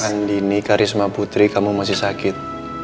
andini karisma putri kamu masih sakit